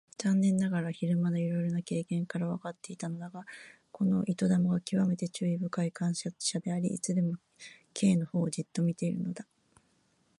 残念ながら昼間のいろいろな経験からわかっていたのだが、この糸玉がきわめて注意深い観察者であり、いつでも Ｋ のほうをじっと見ているのだ。